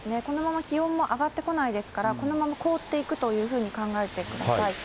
このまま気温も上がってこないですから、このまま凍っていくというふうに考えてください。